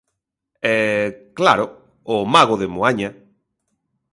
E claro, o mago de Moaña.